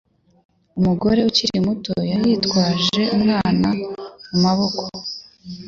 Umugore ukiri muto yari yitwaje umwana mu maboko.